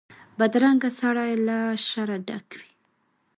بدرنګه سړی له شره ډک وي